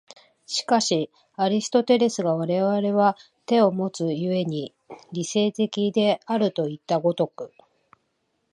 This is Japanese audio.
しかしアリストテレスが我々は手をもつ故に理性的であるといった如く